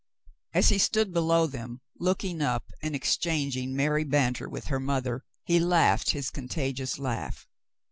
As he stood below them, looking up and ex changing merry banter with her mother, he laughed his contagious laugh.